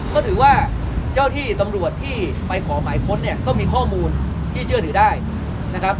ก็ถือว่าเจ้าที่ตำรวจที่ไปขอหมายค้นเนี่ยก็มีข้อมูลที่เชื่อถือได้นะครับ